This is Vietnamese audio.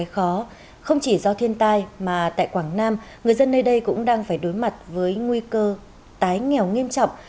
không chỉ do thiên tai mà tại quảng nam người dân nơi đây cũng đang phải đối mặt với nguy cơ tái nghèo nghiêm trọng